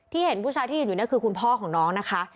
เห็นผู้ชายที่ยืนอยู่นี่คือคุณพ่อของน้องนะคะ